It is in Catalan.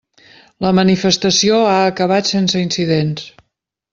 La manifestació ha acabat sense incidents.